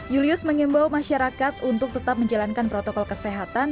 julius mengimbau masyarakat untuk tetap menjalankan protokol kesehatan